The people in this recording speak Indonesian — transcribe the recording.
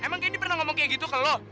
emang kendy pernah ngomong kayak gitu ke lu